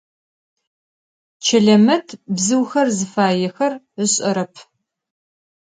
Çelemet bzıuxer zıfaêxer ış'erep.